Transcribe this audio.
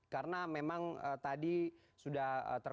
karena memang tadi sudah terkomunikasi